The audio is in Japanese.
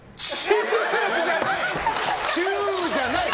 チューじゃない！